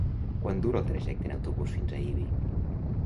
Quant dura el trajecte en autobús fins a Ibi?